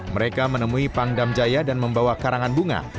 mereka menemui pangdam jaya dan membawa karangan bunga